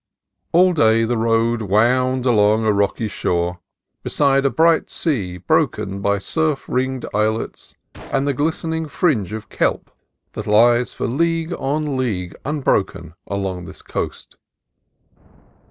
All day the road wound along a rocky shore, beside a bright sea broken by surf ringed islets and the glis tening fringe of kelp that lies for league on league unbroken along this coast.